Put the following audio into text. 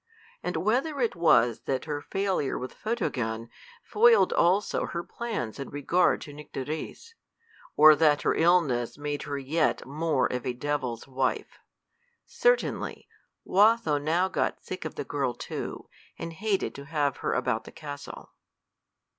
And whether it was that her failure with Photogen foiled also her plans in regard to Nycteris, or that her illness made her yet more of a devil's wife, certainly Watho now got sick of the girl too, and hated to have her about the castle.